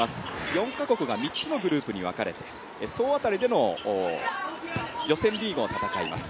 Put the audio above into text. ４か国が３つのグループに分かれて総当たりでの予選リーグを戦います。